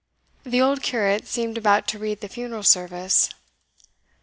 The old Curate seemed about to read the funeral service.